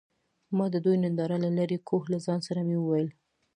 ما د دوي ننداره له لرې کوه له ځان سره مې وويل.